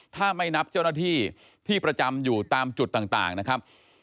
ถ้าไม่นับเจ้าหน้าที่ที่ประจำอยู่ตามจุดต่างนะครับ